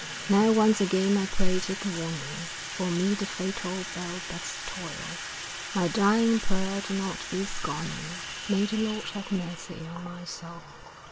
Now once again I pray take warning; For me the fatal bell does toll, My dying prayer do not be scorning, May the Lord have mercy on my soul.